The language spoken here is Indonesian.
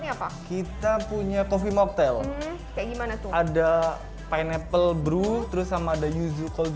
sini apa kita punya coffee moktel kayak gimana tuh ada pineapple brew terus sama ada yuzu cold